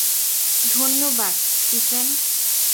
ধন্যবাদ, স্টিফেন।